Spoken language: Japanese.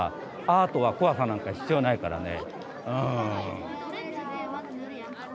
アートは怖さなんか必要ないからね。